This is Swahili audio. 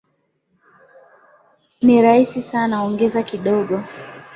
Ni rahisi sana, ongeza kidogo